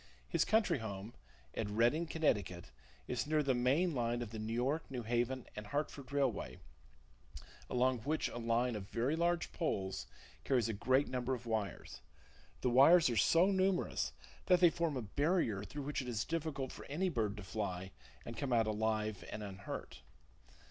His country home, at Redding, Connecticut, is near the main line of the New York, New Haven and Hartford Railway, along which a line of very large poles carries a great number of wires. The wires are so numerous that they form a barrier through which it is difficult for any bird to fly and come out alive and unhurt.